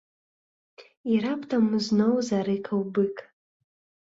І раптам зноў зарыкаў бык.